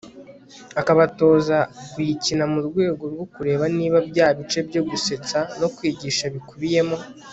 akabatoza kuyikina murwego rwo kureba niba bya bice byo gusetsa no kwigisha bikubiyemo